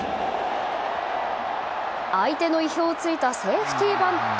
相手の意表を突いたセーフティーバント。